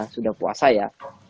sudah puasa ya